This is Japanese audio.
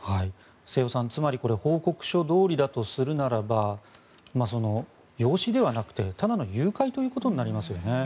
瀬尾さん、つまり報告書どおりだとするならば養子ではなくてただの誘拐ということになりますよね。